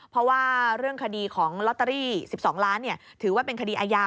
เพราะว่าเรื่องคดีของลอตเตอรี่๑๒ล้านถือว่าเป็นคดีอาญา